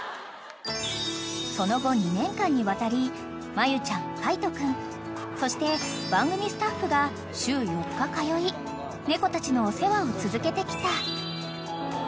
［その後２年間にわたり真由ちゃん海人君そして番組スタッフが週４日通い猫たちのお世話を続けてきた］